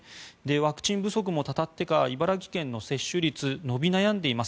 ワクチン不足もたたってか茨城県の接種率伸び悩んでいます。